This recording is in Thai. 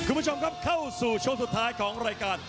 คุณผู้ชมครับเข้าสู่ช่วงสุดท้ายของรายการ